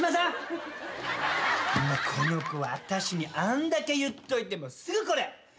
この子は私にあんだけ言っといてすぐこれ。